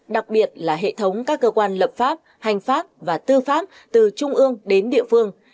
đặc biệt là hệ thống các cơ quan lập pháp hành pháp và tư pháp từ trung ương đến địa phương